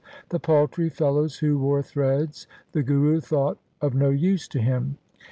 The paltry fellows who wore threads the Guru thought of no use to him.